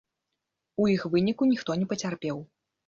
У іх выніку ніхто не пацярпеў.